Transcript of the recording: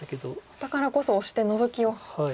だからこそオシてノゾキを。